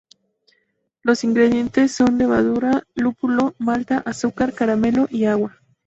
Los ingredientes son levadura, lúpulo, malta, azúcar, caramelo y agua.